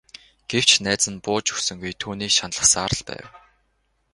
Гэвч найз нь бууж өгсөнгүй түүнийг шаналгасаар л байв.